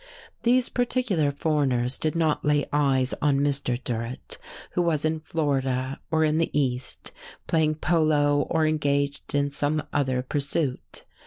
These particular foreigners did not lay eyes on Mr. Durrett, who was in Florida or in the East playing polo or engaged in some other pursuit.